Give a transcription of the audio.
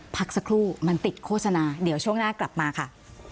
พักสักครู่มันติดโฆษณาเดี๋ยวช่วงหน้ากลับมาค่ะ